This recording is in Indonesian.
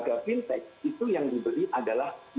jadi tidak perlu akan mengalami data dijual belikan